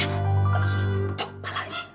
langsung tutup kepala ini